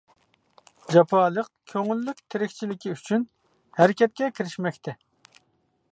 جاپالىق، كۆڭۈللۈك تىرىكچىلىكى ئۈچۈن ھەرىكەتكە كىرىشمەكتە.